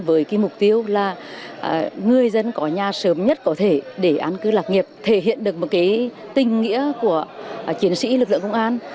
với mục tiêu là người dân có nhà sớm nhất có thể để an cư lạc nghiệp thể hiện được một tình nghĩa của chiến sĩ lực lượng công an